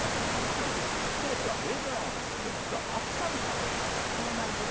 そして菊池投手はメジャーへの意識は、実はアキさんからだっそうなんです。